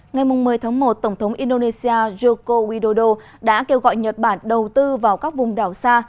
ngày một mươi tháng một tổng thống indonesia joko widodo đã kêu gọi nhật bản đầu tư vào các vùng đảo xa